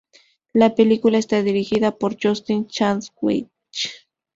La película está dirigida por Justin Chadwick.